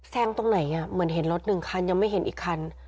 ตรงไหนเหมือนเห็นรถหนึ่งคันยังไม่เห็นอีกคัน